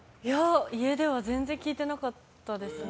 家では全然聞いてなかったですね。